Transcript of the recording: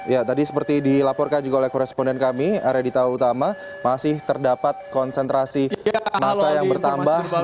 ya tadi seperti dilaporkan juga oleh koresponden kami arya dita utama masih terdapat konsentrasi masa yang bertambah